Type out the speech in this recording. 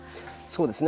そうですね。